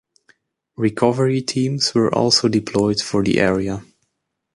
Recovery teams were also deployed for the area.